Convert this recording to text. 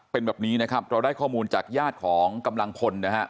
เป็นแบบนี้นะครับเราได้ข้อมูลจากญาติของกำลังพลนะฮะ